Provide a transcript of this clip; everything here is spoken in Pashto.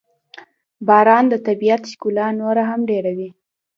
• باران د طبیعت ښکلا نوره هم ډېروي.